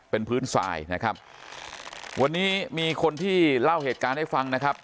เป็นพื้นทรายนะครับวันนี้มีคนที่เล่าเหตุการณ์ให้ฟังนะครับ